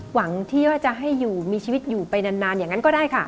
หวังที่ว่าจะให้อยู่มีชีวิตอยู่ไปนานอย่างนั้นก็ได้ค่ะ